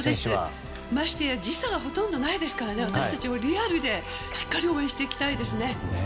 ましてや時差はほとんどないですからリアルでしっかり応援していきたいですね。